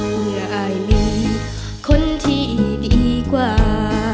เพื่ออายมีคนที่ดีกว่า